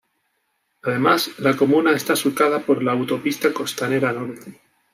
Además, la comuna está surcada por la Autopista Costanera Norte.